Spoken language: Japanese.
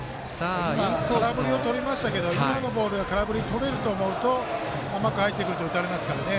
空振りをとりましたけど今のボールは空振りとれると思うと甘く入ってくると打たれますから。